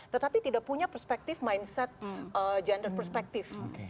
tetapi tidak punya perspektif mindset gender perspektif